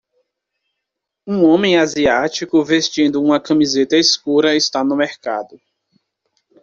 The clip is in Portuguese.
Um homem asiático vestindo uma camiseta escura está no mercado.